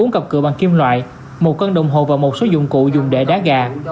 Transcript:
bốn cặp cửa bằng kim loại một cân đồng hồ và một số dụng cụ dùng để đá gà